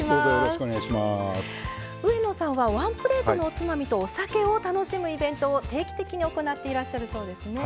上野さんはワンプレートのおつまみとお酒を楽しむイベントを定期的に行っていらっしゃるそうですね。